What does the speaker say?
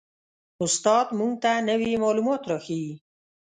استاد موږ ته نوي معلومات را ښیي